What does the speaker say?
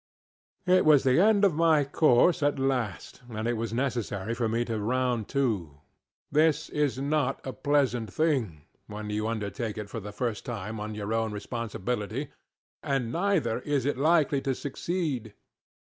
I was at the end of my course, at last, and it was necessary for me to round to. This is not a pleasant thing, when you undertake it for the first time on your own responsibility, and neither is it likely to succeed.